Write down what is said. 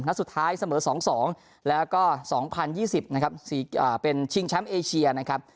สุดท้ายเสมอ๒๒แล้วก็๒๐๒๐นะครับเป็นชิงแชมป์เอเชียนะครับ